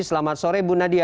selamat sore bu nadia